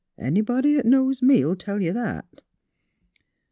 Anybody 'at knows me '11 tell you that."